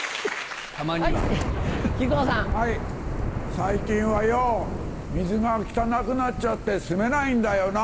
最近はよ水が汚くなっちゃってすめないんだよなぁ。